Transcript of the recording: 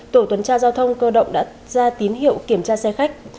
tổ tuần tra giao thông cơ động đã ra tín hiệu kiểm tra xe khách